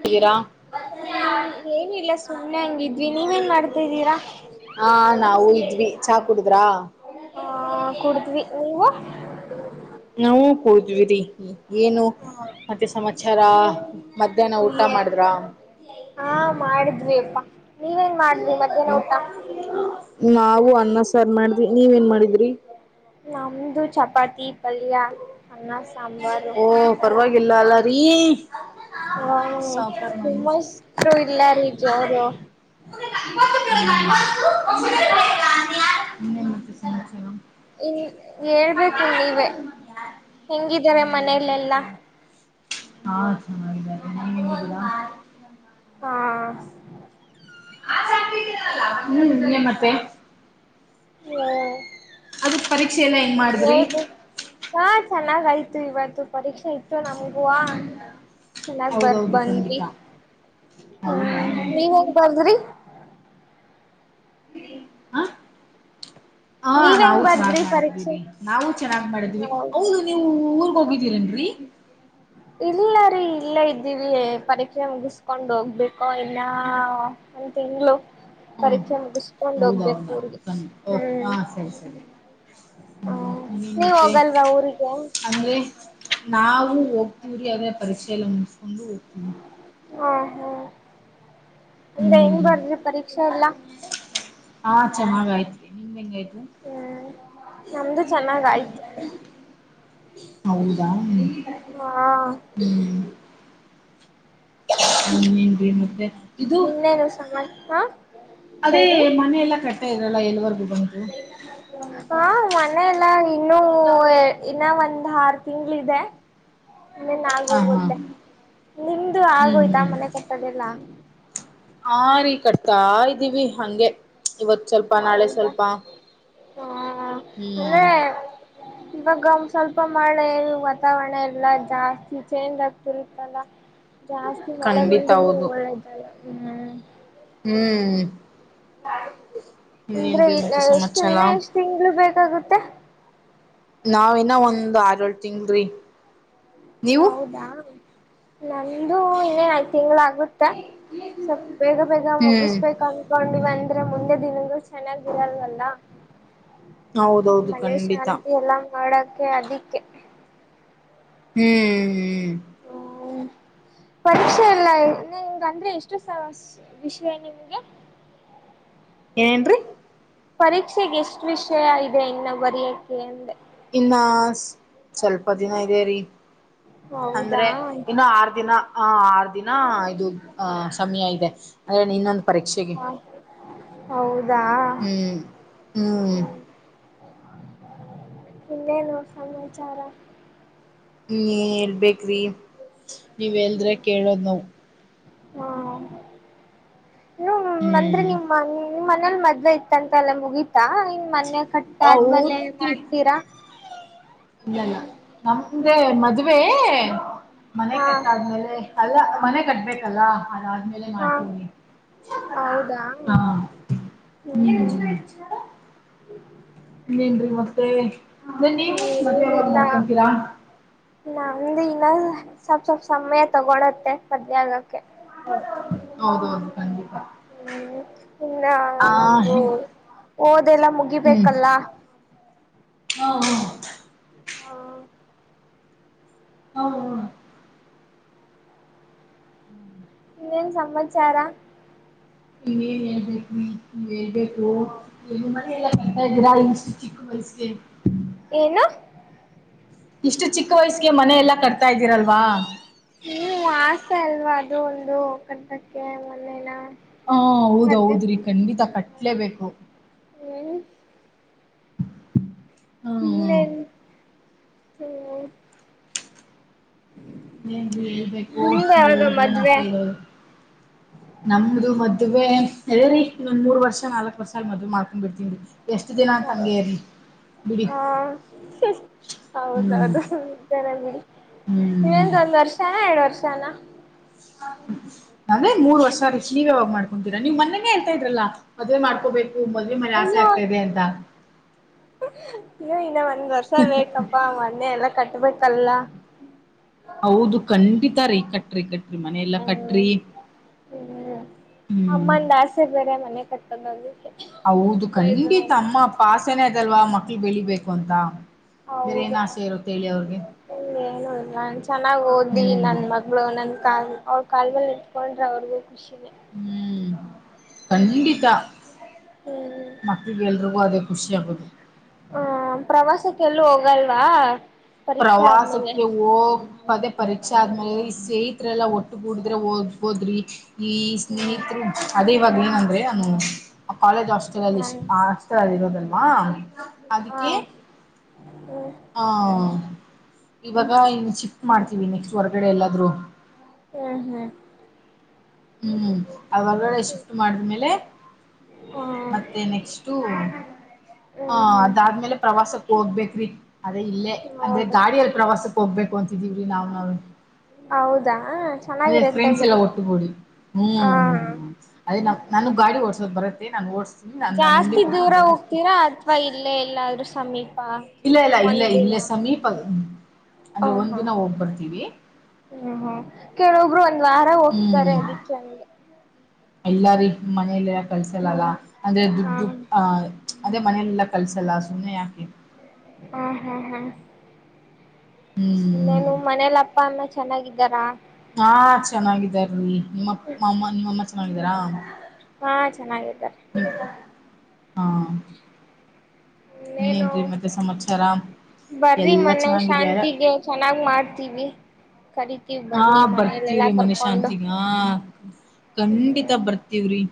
ದ್ದೀರಾ ಏನಿಲ್ಲ ಸುಮ್ಮ್ನೆ ಹಂಗಿದ್ವಿ ನೀವೇನ್ ಮಾಡ್ತಿದ್ದೀರಾ ಹಾ ನಾವು ಇದ್ವಿ ಚಾ ಕುಡಿದ್ರಾ ಹ ಕುಡಿದ್ವಿ ನೀವು ನಾವು ಕುಡುದ್ವಿರಿ ಏನು ಮತ್ತೆ ಸಮಾಚಾರ ಮಧ್ಯಾಹ್ನ ಊಟ ಮಾಡಫದ್ರ ಯಪ್ಪಾ ನೀವೇನ್ ಮಾಡಿದ್ರಿ ಮಧ್ಯಾಹ್ನ ಊಟ ನಾವು ಅನ್ನ ಸಾರ್ ಮಾಡಿದ್ವಿ ನೀವ ಏನ್ ಮಾಡಿದ್ರಿ ನಮ್ದು ಚಪಾತಿ ಪಲ್ಯ ಅನ್ನ ಸಾಂಬಾರು ಓ ಪರವಾಗಿ ಇಲ್ಲ ಅಲ್ಲ ರೀ ಹಾ ಹೌ ಸಾಕರ್ ಮನ್ ನಿಮ್ಮಷ್ಟು ಇಲ್ಲ ರೀ ಜೋರು ಇನ್ನೇನ್ ಮತ್ತೆ ಸಮಾಚಾರ ಈ [inaudible] ಹೇಳ್ಬೇಕು ನೀವೇ ಹೆಂಗಿದಾರೆ ನೀವ್ ಮನೆಯಲ್ಲೆಲ್ಲಾ ಹೇಳ್ಬೇಕ್ರಿ ಹಾ ಚೆನ್ನಾಗಿದ್ದಾರೆ ಮನೇಲಿ ಹೆಂಗಿದ್ದಾರೆ [unintelligible] ಹಾ ಇನ್ನೇನ್ ಮತ್ತೆ ಹ [unintelligible] ಅದ ಪರೀಕ್ಷೆ ಎಲ್ಲ ಹೆಂಗ ಮಾಡಿದ್ರಿ ಚೆನ್ನಾಗಾಯ್ತು ಇವತ್ತು ಪರೀಕ್ಷೆ ಆಯತು ನಮಗುವ ಚೆನ್ನಾಗ್ ಬರ್ ಹೌದೌದು ಖಂಡಿತ ಬಂದ್ವಿಹ್ಮ್ ಹೌದಾ ನೀವ ಹೆಂಗ್ ಬರ್ದ್ರಿ ಆ ಹಾ ನೀವ್ ನಾವು ಹೆಂಗ್ ಚೆನ್ನಾಗ್ ಬರ್ದ್ರಿ ಪರೀಕ್ಷೆ ಮಾಡತವಿರಿ ನಾವು ಚೆನ್ನಾಗ್ ಮಾಡಿದೀವಿ ಹ ಹೌದು ನೀವು ಊರ್ಗ್ ಹೋಗಿದ್ದೀರೆನ್ರಿ ಇಲ್ಲ ರೀ ಇಲ್ಲ ಇದ್ದೀವಿ ಪರೀಕ್ಷೆ ಮುಗಸ್ಕೊಂಡ್ ಹೋಗ್ಬೇಕು ಇಲ್ಲ ಸಿ [inaudible] ಹ್ಮ ಹೌದ ಊರಿಗೆ ಹೌದಾ ಓ ಹಾ ಹ್ಮ್ ಸರಿ ಸರಿ ಹ್ಮ್ ಹ್ಮ ನೀವ್ ಮತ್ತೆ ಹೋಗಲ್ವಾ ಊರಿಗೆ ಹ್ಮ ಅಂದ್ರೆ ನಾವವು ಹೋಗ್ತೀವರಿ ಅದ್ರೇ ಪರಿ‌ಕ್ಷೆಲ್ಲ ಮುಗಿಸಿಕೊಂಡು ಹೋಗ್ತೀನಿ, ಹಾ ಹಾ ಅಂದ್ರ ಹೆಂಗ ಹ್ಮ್ ಬಾರದ್ರಿ ಪರೀಕ್ಷೆ ಎಲ್ಲಾ? ಹಾ ಚೆನ್ನಾಗ ಆಯ್ತ್ರಿ ನಿಮ್ದ್ ಹೆಂಗಾಯ್ತು ಹ್ಮ್ ನಮ್ದು ಚೆನ್ನಾಗಯ್ತು ಹೌದಾ ಹಾ ಹಿ ಮತ್ತೆ ಇದು ಇನ್ನೇನು ಸಮ ಹಾ ಅದೇ ಮನೆ ಎಲ್ಲ ಕಟ್ಟ ಲ್ಲ ಎವರ್ ಹ ಮ ಮನೆ ಎಲ್ಲಾ ಇನ್ನುೂ ಇನ್ನ ಒಂದ್ ಆರು ತಿಂಗಗಳ ಇದೆ ಮೆನ್ ಆಾಗ ಹಾ ಹಾ ಹೋಗುತ್ತೆ. ನಿಮ್ದು ಹ್ಮ್ ಆಗೋಯ್ತಾ ಮನೆ ಕೊಟ್ಟದೆಲ್ಲ ಹಾ ರೀ ಕಟ್ತಾ ಇದ್ದೀವಿ ಹಂಗೆ, ಇವತ್ತು ಸ್ವಲ್ಪ ನಾಳೆ ಹೌದಾ ಸ್ವಲ್ಪ, ಹಾ ಹ್ಮ್ ಅಂದ್ರೆ ಇವಾಗ ಒ ಸ್ವಲ್ಪ ಮಳೆ ವಾತಾವರಣ ಎಲ್ಲಾ ಜಾಸ್ತಿ ಚೇಂಜ್ ಆಗ್ತಿರುತ್ತಲ್ಲ. ಜಾಸ್ತಿ ಖಂಡಿತ ಒಳಗಂದ್ರರು ಹೌದು ಒಳ್ಳ್ದಲ್ಲ, ಹ್ಮ್ ಹ್ಮ್ ಅಂದ್ರೆ ಇನ್ನೇನ್ರಿ ಮತ್ತೆ ಎಷ್ಟು ಸಮಾಚಾರ ಇನ್ನ ಎಷ್ಟ್ ತಿಂಗಗಳು ಬೇಕಾಗುತ್ತೆ? ನಾವ ನ ಒಂದ್ ಆರಏಳ್ ತಿಂಗಲ್್ರರಿ. ಹೌದಾ ನಂದು ಇನ್ನೇ ನಐು ತಿಂಗಗಳ ಆಗ್ ಆಗುತ್ತ ಸ್ವಲ್ ಬೇಗ ಬೇಗ ಹ್ಮ್ ಮುಗಿಸ್ಬೇಕು ಅನ್ಕೊಂಡಿವ ಅಂದ್ರೆ ಮುಂದೆ ದಿನೂ ಚೆನ್ನಾಗಿರಲ್ವಲ್ಲ. ಹೌದೌದು ಖಂಡಿತ. ಮಾಡಡಕ್ಕೆ ಅದಕ್ಕೆ, ಹ್ಮ್ ಹ್ಮ್ ಹ್ಮ ಪರೀಕ್ಷೆ ಎಲ್ಲ ನಿಂಗ ಅಂದ್ರೆ ಎಷ್ಟು ವಿಷಯ ನಿಮ್ಗೆ? ಏನೇನ್ೀ? ಪರೀಕ್ಷೆಗೆ ಎಷ್ಟ್ ವಿಷಯ ಇದೆ ಇನ್ನು ಬರಯಕ್ಕೆೆ ಅಂದ್ರೆ? ಇನ್ನ ಸ್ವಲ್ಪ ದಿನ ಇದದೆೇರಿ, ಹೌದಾ ಅಂದ್ರೆ ಇನ್ನು ಆರು ದಿನ, ಆ ಆರು ದಿನ ಇದು ಆ ಸಮಯ ಇದೆ ಅಂದ್ರೆ ಇನ್ನೊಂದು. ಪರೀಕ್ಷೆಗೆ ಹೌದಾ ಹ್ಮ್ ಹ್ಮ್ ಇನ್ನೇನು ಸಮಾಚಾರ ಹ್ಮ ಎಲ್ಬೇಕ್ ರಿ ನೀವೆಲ್್ರೆ ಕೇಳೋದು್ ನಾವು ಹಾ [unintelligible] ಹ ಮಂರಿ ಹ್ಮ್ ನಿಮ್ಮಮ್ಮ [unintelligible] ನಿಮ್ ಮನೇಲಿ ಮದ್ವೆ ಇತ್ತಂತಲ್ಲ ಮುಗೀತಾ ಇನ್ ಮನ್ ಕಟ್ಟಾದ್ಮೇಲೆ ಹೌದ್ರಿ ಮಾಡ್ತೀರಾ ಇಲ್ಲಲ್ಲ ನಮ್ದೆ ಮದುವೆ ಮನೆ ಹಾ ಕಟ್ಟಾದ್ಮೇಲೆ ಅಲ್ಲ ಮನೆ ಕಟ್ಬೇಕಲ್ಲಾ ಅದಾದ್ಮೇಲೆ ಹಾ ಮಾಡ್ತೀವ್ರಿ ಹೌದಾ ಹಾ ಹ್ಮ್ ಹ್ಮ್ [unintelligible] ನಿನ್ದ್ ಮತ್ತೆ ಅದ ನೀವು ಮದ್ೆಾವಾಗ ಏನಿಲ್ಲ ಮಾಡ್ಕೊಂತೀರಾ ನಮ್ದು ಇನ್ನ ಸ್ವಲ್ಪ್ ಸ್ವಲ್ಪ್ ಸಮಯ ತಗೊಳುತ್ತೆ ಮಧ್ಯಾನಕ್ಕೆ ಹೌದೌದು [unintelligible] ಹ್ಮ್ ಇನ್ನ ಆ ನಮು ಹ್ಮ್ ಓದೆಲ್ಲ ಮುಗಿಬೇಕಲ್ಲ ಹಾ ಹಾ ಹ್ಮ ಹೌ ಹ [unintelligible] ಇನ್ನೇನ್ ಸಂಮಚ್ಚಾರಾ ಇದ [unintelligible] ಹೇಳ್ಬೇಕು ಎಲ್ಲಿ ಮನಲ್ಲ [unintelligible] ಚಿಕ್ ವಯಸ್ಸಿಗೆ ಏನು ಇಷ್ಟು ಚಿಕ್ಕ ವಯಸ್ಸಿಗೆ ಮನೆ ಎಲ್ಲ ಕಟ್ ಹ್ಮ ಆಸ ಅಲ್ವಾ ಇದು ಒಂದು ಕಟ್ಟಕ್ಕೆ ಮೊನ್ನೇನಾ ಹಾ ಹೌದ್ದೌದ್ರಿ ಖಂಡಿತ ಕಟ್ಲೇಬೇಕು ಹ್ಮ್ ಇನ್ನೇನ್ರಿ ್ಮ [unintelligible] ಹ್ಮ ಇೇ ಹೇಳ್ಬೇಕು ಈ ಯಾವಾಗ ಹೇಳಿದ್ರೆ ನಾವು ಮದ್ವೆ ಕೇಳೋದು ನಮದು ಮದುವೆ ಅದೇರಿ ಇನ್ನೊಂದ ಮೂರ್ ನಾಕಕ್ ವರ್ಷ ಅ ಮದ್ ಮಾಡ್ಕೊಂಡ್ ಬಿಡ್ತೀನ್ ರೀ ಹ ಬಿಡಿ ಹಾ ಹ್ಮ್ ಹೌದದು ಇದ್ದೇನ [unintelligible] ಹ್ಮ್ ನೀವಂದ ಒಂದ್ ವರ್ಷ ಎರಡ್ ವರ್ಷ ಚಾಣ ಅದೇ ಮೂರ್ ವರ್ಷ ನೀವ ಯಾವಾಗ ಮಾಡ್ಕೊತೀರಾ ನೀವ್ ಮೊನ್ನೆನೇ ಹೇಳ್ತಾ ಇದ್ರಲ್ಲಾ. [unintelligible] ಅಯ್ಯೋ ಇದೆ ಅಂತ ಇನ್ನ ಒಂದ್ ವರ್ಷ ಬೇಕಪ್ಪ ಮನೆಯಲ್ಲ ಕಟ್ಬೇಕಲ್ಲ ಹೌದು ಖಂಡಿತ ರೀ ಕಟ್ಟ್ರಿ ಕಟ್ ಟ್ರೀ ಮನೆಯಲ್ಲ ಹ್ಮ್ ಕಟ್ಟ್ರಿ. ಹ್ಮ್ ಅಮ್ಮಂದ ಆಸೆ ಬೇರೆ ಮನೆ ಕಟ್ಟದ್ ಮಾಲಿ ಹೌದು ಖಂಡಿತ ಅಮ್ಮ ಅಪ್ಪ ಆಸೆನ ಅದಲ್ವಾ ಮಕ್ಳ ಬೆಳಿಬೇಕು ಅಂತ ಬೇರೆ ಹೌದು ಏನ್ ಆಸೆ ಇರುತ್ತ ಹೇಳಿ ಅವ್ರಿಗೆ [unintelligible] ಏನು ಇಲ್ಲ ಚೆನ್ನಾಗ್ ಹ್ಮ್ ಅವರ ಕಾಲ್ ಮೇಲೆ ನಿಂತ್ಕೊಂಡ್ರೆ ಅವ್ರಿಗು ಖುಷಿನೆ ಕಂಡಿತ ಹ್ಮ್ ಮಕ್ಳ ಬೆಳ್ಡು ಅದೇ ಖುಷಿಯಾಗೊದು. ಹ ಪ್ರವಾಸಕ್ಕೆ ಎಲ್ಲೂ ಹೋಗಲ್ವಾ. ಪರೀಕ್ಷೆ ಆದ್ಮೇಲೆ ಪ್ರವಾಸಕ್ಕೆ ಹೋಗವದೇ ಪರೀಕ್ ಆದ್ಮೇಲೆ ಈ ಸ್ನೇಹಿತರಎಲ್ಲ ಒಟ್ಟು ಗೂಡಿದ್ರೆ ಹೋಗದ್ಬೋದ್ರಿ. ಈ ಸ್ನೇಹಿತರು ಹ್ಮ ಅದೇ ಇವಗ ಏನಂದ್ರೆ ಅವ್ನು ಕಾಲೇಜ್ ಹಾಸ್ಟೆಲ್ ಅಲ್ಲಿ ಹಾಸ್ಟೆಲ್ ಅಲ್ಲಿ ಇರೋದ್ ಅವ್ನು. ಹ ಹ ಹ ಅದಕ್ಕೆ [unintelligible] ಹ್ಮ್ ಹ ಇವಾಗ ಇನ್ನು ಶಿಫ್ಟ್ ಮಾಡ್ತೀವಿ ನೆಕ್ಸ್ಟ್ ಹೊರ್ಗಡೆ ಎಲ್ಲಾದ್ರು. ಹ್ಮ್ ಹ್ಮ್ ಹ್ಮ್ ಹೊರಗಡೆ ಶಿಫ್ಟ್ ಮಾಡಿದ್ಮೇಲೆ ಹ್ಮ ಮತ್ತೆ ನೆಕ್ಸ್ಟ್ ಹ್ಮ್ ಹ್ಮ್ ಅದಾದ್ಮೇಲೆ ಪ್ರವಾಸ ಹೋಗ್ಬೇಕ್ರಿ ಅದೇ ಇಲ್ಲೇ ಅಂದ್ರೆ ಹೌದು ಗಾಡಿಯಲ್ಲಿ ಪ್ರವಾಸಕ್ಕೆ ಹೋಗ್ಬೇಕು ಅಂತಿದೀವಿ ನಾವ್ ನಾವೇ ಹೌದಾ [unintelligible] ಅಂದ್ರೆ ಚೆನ್ನಾಗಿರತ್ತೆ ಫ್ರೆಂಡ್ಸ್ ಎಲ್ಲ ಬಿಡಿ ಒಟ್ಟುಗೂಡಿ. ಹಾ ಹ್ಮ್ ಅದೇ ನಾನು ಗಾಡಿ ಓಡ್ಸೋಕ್ ಬರುತ್ತೆ ನಾನು ಓಡ್ ಜಾಸ್ತಿ ದೂರ ಹೋಗ್ತೀರಾ ಅಥವಾ ಇಲ್ಲೇ ಎಲ್ಲಾದ್ರೂ ಸಮೀಪ್ ಇಲ್ಲ ಇಲ್ಲ ಇಲ್ಲೇ ಇಲ್ಲೇ ಸಮೀಪ ಹ ಅಂದ್ರೆ ಹಾ ಒಂದಿನ ಹೋಗ್ಬರ್ತೀವಿ. ಕೆಲವೊಬ್ಬರು ಒಂದು ವಾರ ಹೋಗ್ತಾರೆ ಅದಕ್ಕೆ ಅಂದೆ ಇಲ್ಲಾರಿ ಮನೇಲೆಲ್ಲ ಕಳ್ಸಲ್ಲ ಅಲ್ಲ ಅಂದ್ರೆ ಹಾ ದುಡ್ಡು ಅಹ ಪಿಚ್ ಅದೇ ಮನೆಯಲ್ಲೆಲ್ಲಾ ಕಳ್ಸಲ್ಲ ಸುಮ್ಮನೆ ಯಾಕೆ ಹ್ಮ ಹಾ ಹ್ಮ ಹ್ಮ್ ಇನ್ನೇನು ಮನೇಲಿ ಅಪ್ಪ ಅಮ್ಮ ಚೆ ಚೆನ್ನಾಗಿದ್ದಾರಾ ಹಾ ಚೆನ್ನಾಗಿದ್ದಾರೀ ನಿಮ್ಮ ಮಾಮ್ಮ ನಿಮ್ಮಮ್ಮ ಚೆನ್ನಾಗಿದ್ದಾರ ಹಾ ಚೆನ್ನಾಗಿದ್ದಾರೆ ಹಾ ಇನ್ನೇನು ಇನ್ನೇನ್ರಿ ಮತ್ತೆ ಸಮಾಚಾರ ಬರ್ರಿ ಎಲ್ಲಾ ಮನೆ ಚೆನ್ನಾಗಿದ್ಯಾರ ಶಾಂತಿಗೆ ಚೆನ್ನಾಗ್ ಮಾಡ್ತೀವಿ ಕರಿತೀವಿ ಹಾ ಬನ್ನಿ ಮನೇಲೆಲ್ಲಾ ಬರ್ತವ್ರಿ ಮನೆ ಕರ್ಕೊಂಡು ಶಾಂತಿಗ ಆ ಖಂಡಿತ ಬರ್ತವ್ರಿ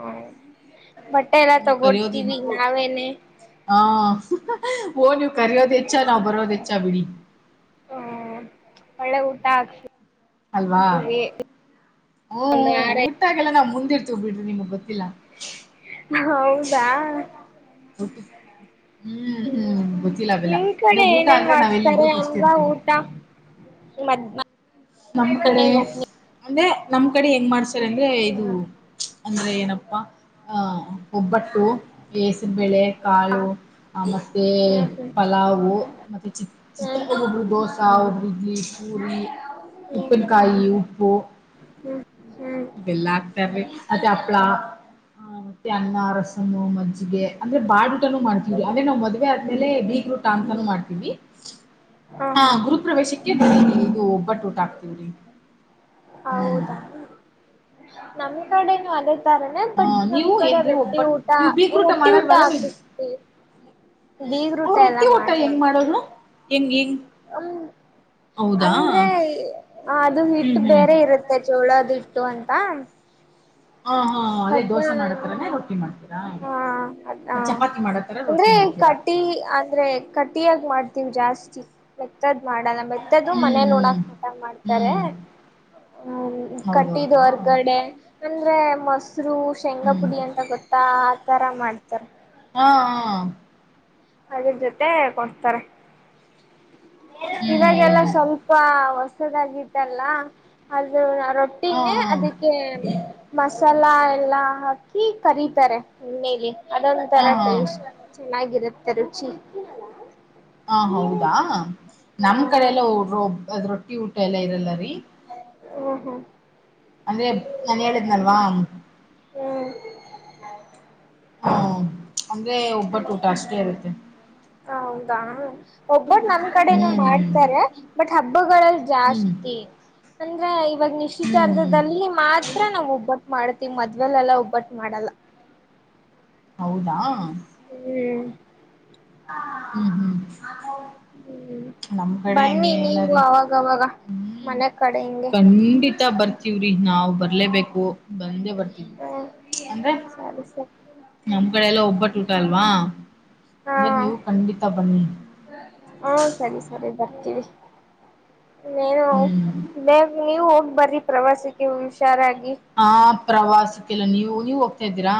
ಹ ಬಟ್ಟೆಯಲ್ಲ ನೀವ್ ಕರೆಯೋದಿನ್ ತಗೊಡ್ತೀವಿ ನಾವೇನೆ ಹಾ ಓ ನೀವು ಕರೆಯೋದ ಹೆಚ್ಚ ನಾವ್ ಬರೋದ ಹೆಚ್ಚ ಬಿಡಿ ಹ್ಮ್ ಒಳ್ಳೆ ಊಟ ಹಾಕ್ಸಿ ಅಲ್ವಾ ಹು ಒಂದು ಹು ವಾರ ಊಟದಾಗೆಲ್ಲ ನಾವ್ ಮುಂದಿರ್ತೀವಿ. ಬಿಡ್ರಿ ನಿಮಗೆ ಗೊತ್ತಿಲ್ಲ ಹೌದಾ ರೂಟಿ ಹು ನಿಮ ಕಡೆ ಊಟ ಏನೇನ್ ಅಂದ್ರ ಅಂದ್ರೆ ನಾವ್ ಮಾಡಸ್ತಾರೆ ಎಲ್ಲಿದ್ರು ಫಸ್ಟ್ ಅಲ್ವಾ ಊಟ ಮದ್ ನಮ್ಮ್ ಕಡೆ ಮನೆಗ್ ಹೋಗ್ನಿ ಅಂದೆ ನಮ್ ಕಡೆ ಏನ್ ಮಾಡ್ ಸ್ಟರ್ ಅಂದ್ರೆ ಇದು ಹ್ಮ್ ಅಂದ್ರೆ ಏನಪ್ಪಾ ಆಹ ಒಬ್ಬಟ್ಟು ಹೇಸರುಬೇಳೆ ಕಾಳು ಮತ್ತು ಹ್ಮ್ ಪಲಾವು ಮತ್ತು ಚಿ ಹ್ಮ್ ಹ್ಮ್ ಚಿತ್ರೊಬ್ರು ದೋಸೆ ಒರು ಇಡ್ಲಿ ಪೂರಿ ಹ್ಮ್ ಉಪ್ಪಿನಕಾಯಿ ಉಪ್ಪು ಹ್ಮ್ ಹ್ಮ್ ಹ್ಮ್ ಇದೆಲ್ಲ ಹಾಕ್ತಾರೆ. ಮತ್ತೆ ಹಪ್ಳ ಮತ್ತೆ ಅನ್ನ ರಸಂ ಮಜ್ಜಿಗೆ ಅಂದ್ರೆ ಬಾಡ ಊಟಾನೂ ಮಾಡ್ತೀವಿ ಅಂದ್ರೆ ನಾವ್ ಮದ್ವೆ ಆದ್ಮೇಲೆ ಬೀಗರ ಊಟ ಅಂತಾನೂ ಮಾಡ್ತೀವಿ. ಹಾ ಗುರುಪ್ರವೇಶಕ್ಕೆ ಬರೀ ನೀವು ಇದು ಒಬ್ಬಟ್ಟು ಊಟ ಸಾಕ್ತೆವರಿ ಹೌದಾ, ನಮ್ ಕಡೆನು ಅಲ್ಲತಾರೆ. ಬಟ್ ಹ ನಮ್ ನೀವು ಕಡೆ ಏನ್ರಿ ರೊಟ್ಟಿ ಒಬ್ಬಟ್ ಊಟ ನೀವ್ ಬೀಗ್ರೂಟ ರೊಟ್ಟಿ ಊಟ ಮಾಡಲ್ವಲ್ಲ ನೀವ್ ಹಾಕಸತಿವಿ ಬೀಗ್ ಊಟ ಎಲ್ಲ ಮಾಡಸಲ್ಲ. ಇಂ ಇಂಗ, ಹ್ ಅಂದ್ರೆ ಅದು ಹ್ಮ್ ಹಿಟ್ಟು ಹ್ಮ್ ಬೇರೆ ಇರುತ್ತೆ ಜೋಳ ಅದುು ಇತ್ತು ಅಂತ, ಹಾ ಹಾ ಅದೇ ಹದ್ ದೋಸೆ ಮಾಡತರನೇ ರೊಟ್ಟಿ ಮಾಡ್ತೀರಾ ಹಾ ಅದ ಚಪಾತಿ ಮಾಡತರ ಅಂದ್ರೆ ರೊಟ್ಟಿ ಮಾಡ್ತೀರಾ ಕಟ್ಟಿ ಅಂದ್ರೆ ಕಟ್ಟಿಯಾಗಿ ಮಾಡ್ತೀವಿ ಜಾಸ್ತಿ [unintelligible] ಮೆತ್ತದ್ ಮಾಡಲ್ಲ ಮೆತ್ತದ್ದ ಮನೆ ಹ್ಮ್ ನೋಡಕ್ ಮತ ಹ್ಮ್ ಮಾಡ್ತಾರೆ ಹ್ಮ್ ಹ್ಮ್ ಕಟ್ಟಿದ್ ಹೌದೌದು ಹೊರ್ಗಡೆ ಅಂದ್ರೆ ಮಸ್ತ್ ಹಸರು ಶೇಂಗಾ ಹ್ಮ್ ಪುಡಿ ಅಂತ ಗೊತ್ತಾ ತರ ಮಾಡ್ತಾರೆ. ಹಾ ಹಾ ಅದರ ಜೊತೆ ಕೊಡ್ತಾರೆ ಇದಾಗೆಲ್ಲ ಹ್ಮ್ ಸ್ವಲ್ಪ. ದಲ್ಲ ಅದು ಹಾ ರೊಟ್ಟಿನೇ ಅದಕ್ಕೆ ಮಸರು ಚಲ ಎಲ್ಲ ಹಾಕಿ ಕರೀತಾರೆ ಎಣ್ಣೇೆಗೆ. ಅದೊಂದು ತರ ಹಾ ಹಾ ಟೆನ್ಸ್ ಚೆನ್ನಾಗಿದೆ, ರುಚಿ ಹ ಹೌದಾ, ಹ ನಮ್ ಕಡೆ ಎಲ್ಲೊ ಅದ್ರೊ ಿ ಊಟ ಎಲ್ಲ ಇರಲ್ಲ ರೀ, ಹ್ಮ ಹಾ ಅಂದ್ರೆ ನಾನನ್ ಹೇಳಿದ್ನಲ್ವಾ ಹಾ ಅಂದ್ರೆ ಒಬ್ಬಟ್ಟ ಹ್ಮ್ ಊಟ ಅಷ್ಟೇ ಇರುತ್ತೆ. ಹೌದಾ ಒಬ್ಬಟ್ಟ ನಮ್ ಕಡೆನೂ ಹ್ಮ್ ಮಾಡ್ತಾರೆ ಬಟ್ ಹಬ್ಬಗಳಗಳಲ್ಲಿ ಹ್ಮ್ ಜಾಸ್ತಿ ಅಂದ್ರೆ ಇವಾಗ ಹ್ಮ್ ನಿಶ್ಚಿತಾರ್ಧದಲ್ಲಿ ಮಾತ್ರ. ಹತ್ರ ನಾವವು ಒಬ್ಬಟ್ಟು ಮಾಡ್ತಿೀವಿ, ಮದ್ವೆೇಲೆಲ್ಲಾ ಒಬ್ಬಟ್ಟು ಮಾಡಲ್ಲ ಹೌದಾ ಹ್ಮ್ ಹ್ಮ್ ಹ್ಮ್ ಹ್ಮ್ ನಮ್ ಕಡೆ ಬನ್ನಿ ನೀವು ಹೆಂಗೇನಿಲ್ಲಾರಿೀ, ಅವಾಗವಾಗ ಹ್ಮ್ ಮನೆ ಕಡೆ ಹಿಂಗೆ ಖಂಡಿತ ಬರ್ತೀವ್ರಿ ನಾವವು್ ಬರ್ ಬರಲೇಬೇಕು ಬಂದೇ ಬರ್ ಹ್ಮ ಅಂದ್ರೆ ಸರಿ ಸರಿ ನಮ್ ಕಡೆ ಎಲ್ಲ ಒಬ್ಬಟ್ಟ ಊಟ ಅಲ್ ವಾ್ ಅಂದ್ರೆ ನೀವು ಖಂಡಿತ ಬನ್ನಿ ಹಾ ಸರಿ ಸರಿ ಬ ವಿ ೇನು ಹ್ಮ್ ಬ ನೀವು ಹೋಗ ಬರೀ ಪ್ರವಾಸಕ್ಕೆ ಹುಷಾರಗಿ ಆ ಪ್ರವಾಸಕ್ಕೆಲ್ಲ ನೀವು ನೀವ್ ಹೋಗ್ತಾ ಇದ್ದೀರಾ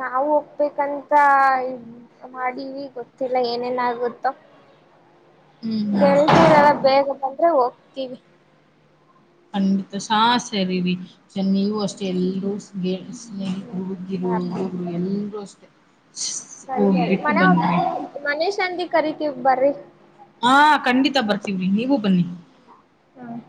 ನಾವು ಓಗ್ಬೇಕಂತ ಮಾಡೀವಿ ಗೊತ್ತಿಲ್ಲ ಏನೇನ್ ಆಗುತ್ತೋ. ಹ್ಮ್ ಹ್ಮ್ ಬೆಳದಿರೆಲ್ಲ ಬೇಗ ಬಂದ್ರೆ ಓ ತಿವಿ ಕಂಡಿತ ಸಾ ಸರಿರಿ. ನೀವು ಅಷ್ಟೇ ಎಲ್ಲೂ ಸ್ನೇ ಹ್ಮ್ ಸ್ನೇಹಿತರು ಹುಡುಗಿರು ಸರಿ ಹುಡುಗ್ರು ಎಲ್ ರು ಅಸ್ಟೇ ಸರಿ ಸರಿ ಮನೆ ಒಮ್ಮ ಮನೆ ಶಾಂತಿ ಕರಿತಿವೆ ಬರ್ರಿ ಹಾ ಖಂಡಿತ ಬರ್ತವ್ರಿ ನೀವು ಬನ್ನಿ. ಹ್ಮ